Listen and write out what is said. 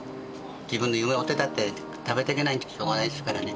自分の夢を追ってたって食べていけないんじゃしょうがないですからね。